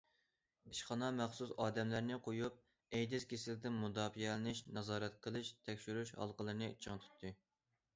ئىشخانا، مەخسۇس ئادەملەرنى قويۇپ، ئەيدىز كېسىلىدىن مۇداپىئەلىنىش، نازارەت قىلىش، تەكشۈرۈش ھالقىلىرىنى چىڭ تۇتتى.